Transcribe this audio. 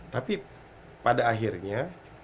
tapi pada akhirnya